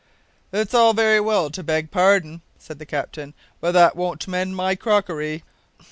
"It's all very well to beg pardon," said the captain, "but that won't mend my crockery!"